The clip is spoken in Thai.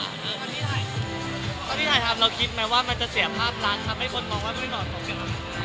ตอนที่ถ่ายทำ้วันคลิปมั้ยมันจะเสียภาพรันด์ทำให้คนมองว่าคุณเป็นหมอสงครับ